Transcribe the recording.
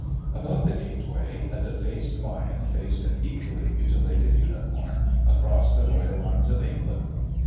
Above the gateway a defaced lion faced an equally mutilated unicorn across the Royal Arms of England.